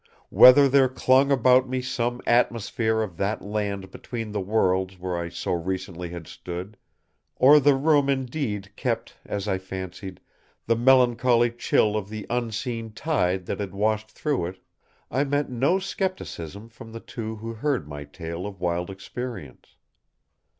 Whether there clung about me some atmosphere of that land between the worlds where I so recently had stood; or the room indeed kept, as I fancied, the melancholy chill of the unseen tide that had washed through it, I met no scepticism from the two who heard my tale of wild experience.